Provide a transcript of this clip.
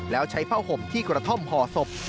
แล้วใช้ผ้าห่มที่กระท่อมห่อศพ